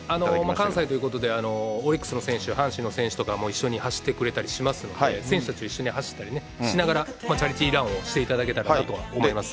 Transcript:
関西ということで、オリックスの選手、阪神の選手とかも一緒に走ってくれたりしますので、選手たちと一緒に走ったりしながら、チャリティーランをしていただけたらと思います。